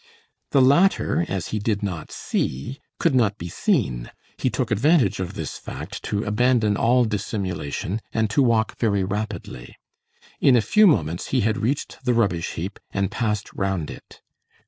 The latter, as he did not see, could not be seen; he took advantage of this fact to abandon all dissimulation and to walk very rapidly. In a few moments, he had reached the rubbish heap and passed round it.